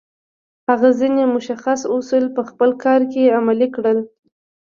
هغه ځينې مشخص اصول په خپل کار کې عملي کړل.